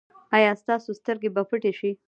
ایا ستاسو سترګې به پټې شي؟